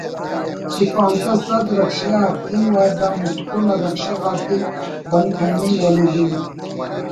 کہ پانزدہ سد رکشہ اَتنگک و دا متکن آ رکشہ غاتے بند کننگک ولے دن